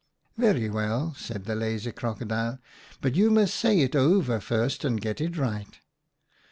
"* Very well,' said the lazy Crocodile, ' but you must say it over first and get it right.'